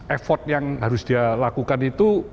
effort yang harus dia lakukan itu